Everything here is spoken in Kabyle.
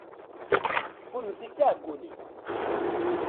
Kennemti d tiɛeggunin!